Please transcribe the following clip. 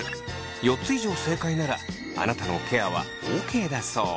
４つ以上正解ならあなたのケアはオーケーだそう。